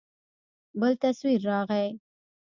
بل تصوير راغى.